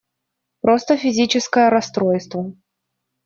Просто физическое расстройство!